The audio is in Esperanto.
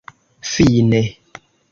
fine